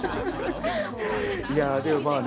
いやでもまあね